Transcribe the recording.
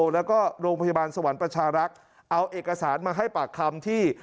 แล้วก็โรงพยาบาลสวรรค์ประชารักษ์เอาเอกสารมาให้ปากคำที่